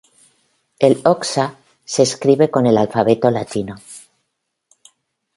El xhosa se escribe con el alfabeto latino.